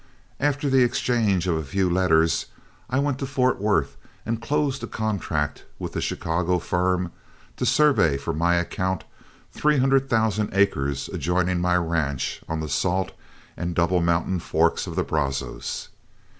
After the exchange of a few letters, I went to Fort Worth and closed a contract with the Chicago firm to survey for my account three hundred thousand acres adjoining my ranch on the Salt and Double Mountain forks of the Brazos.